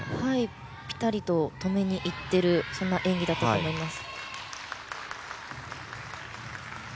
ピタリと止めにいっている演技だったと思います。